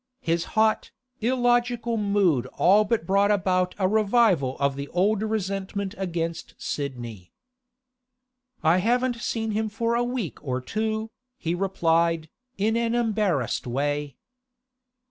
His hot, illogical mood all but brought about a revival of the old resentment against Sidney. 'I haven't seen him for a week or two,' he replied, in an embarrassed way.